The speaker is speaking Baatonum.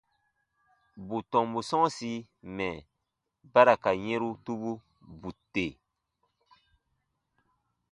Bù tɔmbu sɔ̃ɔsi mɛ̀ ba ra ka yɛ̃ru tubu, bù tè.